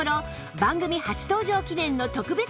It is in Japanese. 番組初登場記念の特別価格